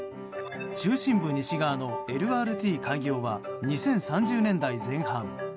中心部西側のＬＲＴ開業は２０３０年代前半。